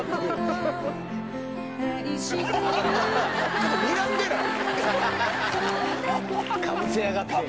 ちょっとにらんでない？